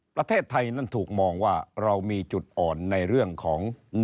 ประเทศไทยนั้นถูกมองว่าเรามีจุดอ่อนในเรื่องของ